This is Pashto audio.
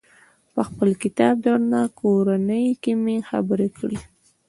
په خپل کتاب درنه کورنۍ کې مې خبرې کړي.